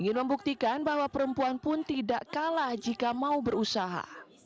ingin membuktikan bahwa perempuan pun tidak kalah jika mau berusaha